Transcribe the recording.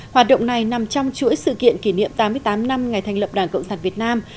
hoạt động này nằm trong chuỗi sự kiện kỷ niệm tám mươi tám năm ngày thành lập đảng cộng sản việt nam